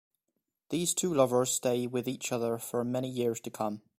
These two lovers stay with each other for many years to come.